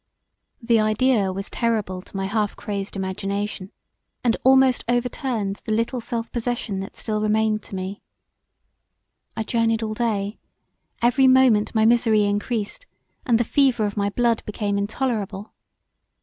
The idea was terrible to my half crazed imagination, and almost over turned the little self possession that still remained to me. I journied all day; every moment my misery encreased and the fever of my blood became intolerable.